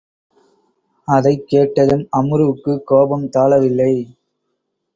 அதைக் கேட்டதும் அம்ருவுக்குக் கோபம் தாளவில்லை.